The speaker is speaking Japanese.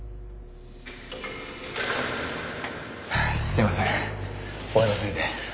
すいません俺のせいで。